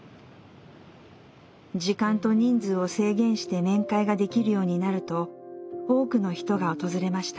時間と人数を制限して面会ができるようになると多くの人が訪れました。